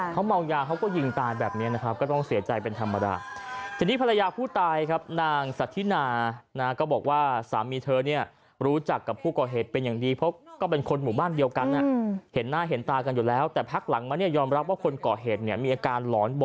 เค้ามองยาเค้าก็ยิงตาแบบนี้นะครับที่มองเสียใจเป็นธรรมดา